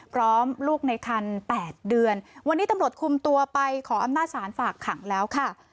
ลูกในคัน๘เดือนวันนี้ตำรวจคุมตัวไปขออำนาจศาลฝากขังแล้วค่ะ